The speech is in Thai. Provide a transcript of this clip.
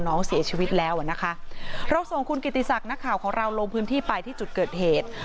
น้องเสียชีวิตแล้วอ่ะนะคะเราส่งคุณกิติศักดิ์นักข่าวของเราลงพื้นที่ไปที่จุดเกิดเหตุ